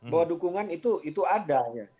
bahwa dukungan itu adanya